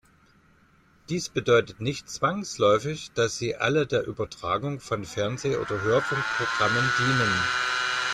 Dies bedeutet nicht zwangsläufig, dass sie alle der Übertragung von Fernseh- oder Hörfunkprogrammen dienen.